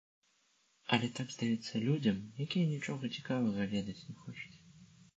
Але так здаецца людзям, якія нічога цікавага ведаць не хочуць.